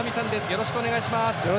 よろしくお願いします。